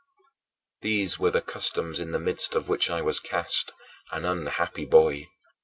These were the customs in the midst of which I was cast, an unhappy boy.